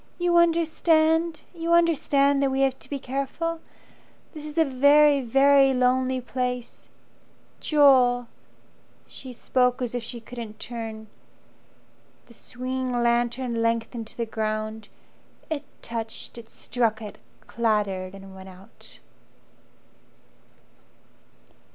You understand? You understand that we have to be careful. This is a very, very lonely place. Joel!" She spoke as if she couldn't turn. The swinging lantern lengthened to the ground, It touched, it struck it, clattered and went out.